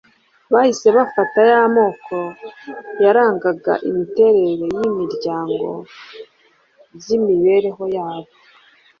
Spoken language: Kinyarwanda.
Bahise bafata ya moko yarangaga imiterere y'imiryango mu by'imibereho yabo